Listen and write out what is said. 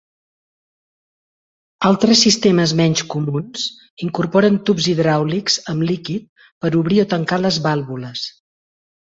Altres sistemes menys comuns incorporen tubs hidràulics amb líquid per obrir o tancar les vàlvules.